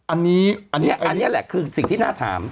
อันนี้อันนี้แหละคือสิ่งที่น่าถาม